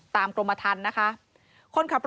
ตามกรมทันนะคะ